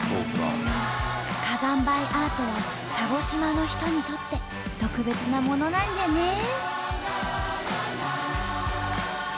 火山灰アートは鹿児島の人にとって特別なものなんじゃね。